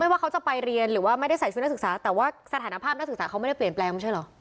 ว่าเขาจะไปเรียนหรือว่าไม่ได้ใส่ชุดนักศึกษาแต่ว่าสถานภาพนักศึกษาเขาไม่ได้เปลี่ยนแปลงไม่ใช่เหรอ